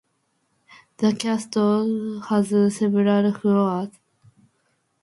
The castle has several floors.